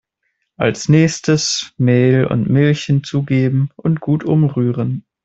Als nächstes Mehl und Milch hinzugeben und gut umrühren.